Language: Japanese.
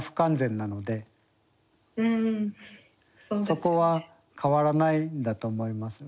そこは変わらないんだと思います。